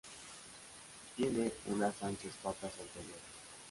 Tiene unas anchas patas anteriores.